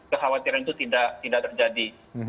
kekhawatiran itu tidak terjadi